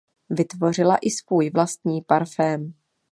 Vytvořila i svůj vlastní parfém.